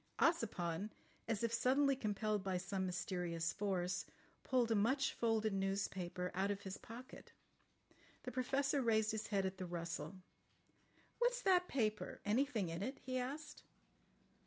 Ossipon, as if suddenly compelled by some mysterious force, pulled a much folded newspaper out of his pocket. The Professor raised his head at the rustle. "What's that paper? Anything in it?" he asked.